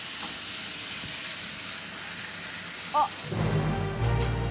あっ！